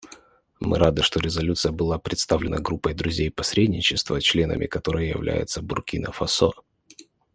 Мы рады, что резолюция была представлена Группой друзей посредничества, членом которой является Буркина-Фасо.